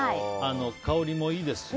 香りもいいですし。